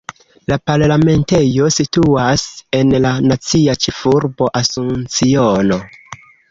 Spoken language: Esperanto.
La parlamentejo situas en la nacia ĉefurbo Asunciono.